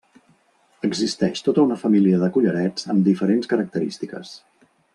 Existeix tota una família de collarets amb diferents característiques.